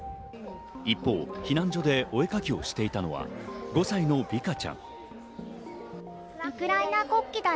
一方、避難所でおえかきをしていたのは５歳のヴィカちゃん。